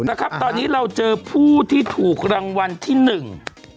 นะครับตอนนี้เราเจอผู้ที่ถูกรางวัลที่หนึ่ง